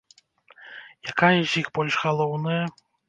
Якая з іх больш галоўная?